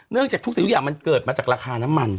จากทุกสิ่งทุกอย่างมันเกิดมาจากราคาน้ำมัน